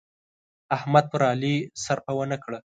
احمد پر علي سرپه و نه کړه.